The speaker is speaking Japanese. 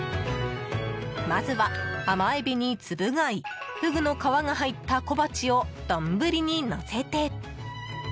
まずは甘エビにツブ貝フグの皮が入った小鉢を丼にのせて。